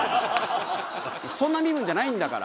そんな身分じゃないんだから。